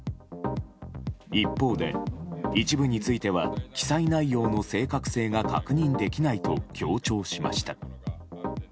一方で、一部については記載内容の正確性が確認できないと強調しました。